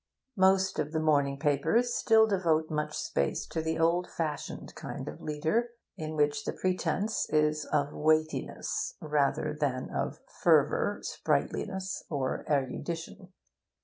Most of the morning papers still devote much space to the old fashioned kind of 'leader,' in which the pretence is of weightiness, rather than of fervour, sprightliness, or erudition.